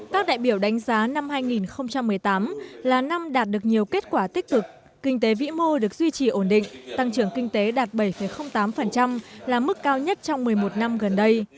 các đại biểu đánh giá năm hai nghìn một mươi tám là năm đạt được nhiều kết quả tích cực kinh tế vĩ mô được duy trì ổn định tăng trưởng kinh tế đạt bảy tám là mức cao nhất trong một mươi một năm gần đây